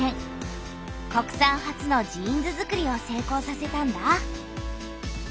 国産初のジーンズづくりを成功させたんだ。